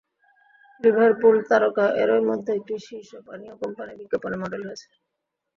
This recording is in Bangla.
লিভারপুল তারকা এরই মধ্যে একটি শীর্ষ পানীয় কোম্পানির বিজ্ঞাপনে মডেল হয়েছেন।